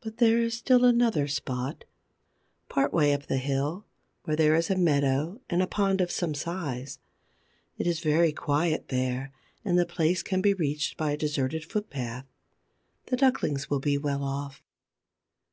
But there is still another spot, part way up the hill, where there is a meadow and a pond of some size. It is very quiet there, and the place can be reached by a deserted footpath. The ducklings will be well off.